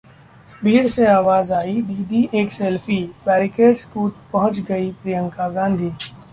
भीड़ से आवाज आई दीदी एक सेल्फी, बैरिकेड्स कूद पहुंच गईं प्रियंका गांधी